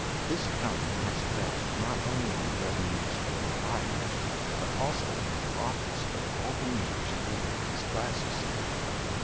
This œconomy has effect not only on the revenues of proprietors, but also on the profits of all the members of laborious classes.